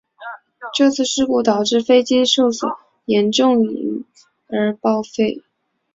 这次事故导致飞机受损严重因而报废。